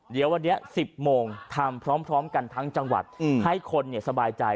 เดี๋ยววันนี้๑๐โมงทำพร้อมกันทั้งจังหวัดให้คนสบายใจ